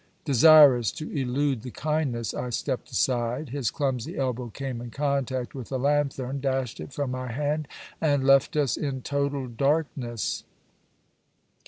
Desirous to elude the kindness, I stepped aside. His clumsy elbow came in contact with the lanthern, dashed it from my hand, and left us in total darkness.